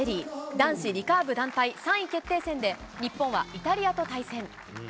男子リカーブ団体３位決定戦で、日本はイタリアと対戦。